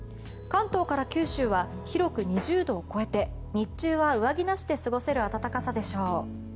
関東から九州は広く２０度を超えて日中は上着なしで過ごせる暖かさでしょう。